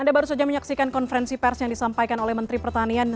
anda baru saja menyaksikan konferensi pers yang disampaikan oleh menteri pertanian